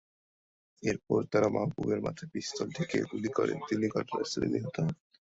এরপর তারা মাহবুবুরের মাথায় পিস্তল ঠেকিয়ে গুলি করলে তিনি ঘটনাস্থলেই নিহত হন।